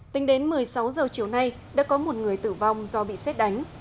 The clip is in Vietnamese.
tính đến một mươi sáu h chiều nay đã có một người tử vong do bị xét đánh